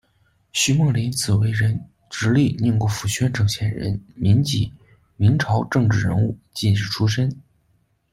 徐梦麟，字惟仁，直隶宁国府宣城县人，民籍，明朝政治人物、进士出身。